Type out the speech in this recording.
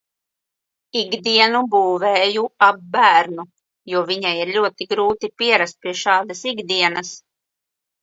Ikdienu būvēju ap bērnu, jo viņai ir ļoti grūti pierast pie šādas ikdienas.